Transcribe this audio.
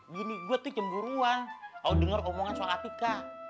gini gue tuh cemburuan kalau denger omongan soal atika